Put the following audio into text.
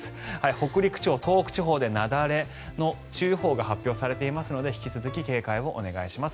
北陸地方、東北地方でなだれ注意報が発表されていますので引き続き警戒をお願いします。